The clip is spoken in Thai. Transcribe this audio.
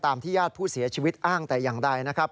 ที่ญาติผู้เสียชีวิตอ้างแต่อย่างใดนะครับ